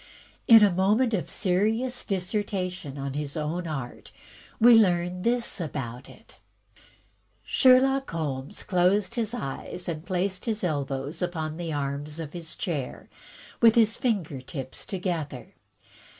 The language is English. In a moment of a serious dissertation on his own art, we learn this about it: Sherlock Holmes closed his eyes and placed his elbows upon the arms of his chair, with his finger tips together.